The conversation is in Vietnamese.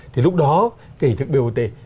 thì lúc đó cái hình thức bot